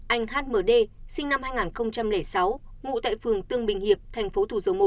anh h m d sinh năm hai nghìn sáu ngụ tại phường tương bình hiệp tp thủ dầu một